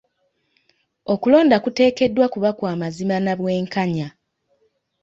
Okulonda kuteekeddwa kuba kwa mazima na bwenkanya.